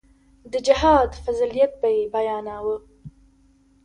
د جهاد فضيلت به يې بياناوه.